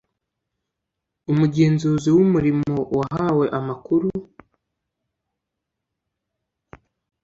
Umugenzuzi w umurimo wahawe amakuru